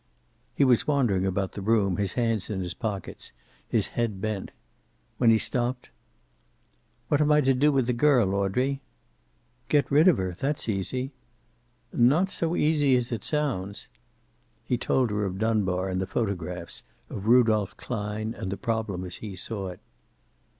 He was wandering about the room, his hands in his pockets, his head bent. When he stopped: "What am I to do with the girl, Audrey?" "Get rid of her. That's easy." "Not so easy as it sounds." He told her of Dunbar and the photographs, of Rudolph Klein, and the problem as he saw it.